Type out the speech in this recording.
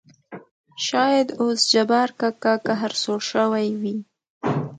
شاېد اوس جبار کاکا قهر سوړ شوى وي.